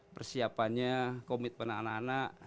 persiapannya komitmen anak anak